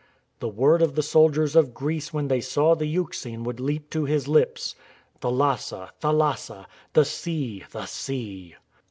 The word of the sol diers of Greece when they saw the Euxine would leap to his lips :" Thalassa, thalassa — the sea, the sea!"